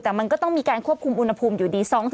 แต่มันก็ต้องมีการควบคุมอุณหภูมิอยู่ดี